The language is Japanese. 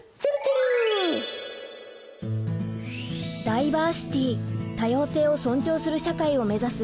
ダイバーシティ多様性を尊重する社会をめざす